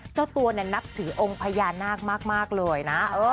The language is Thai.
เจ้าตัวเนี่ยนับถือองค์พญานาคมากเลยนะ